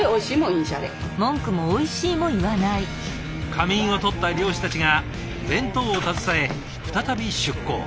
仮眠をとった漁師たちが弁当を携え再び出港。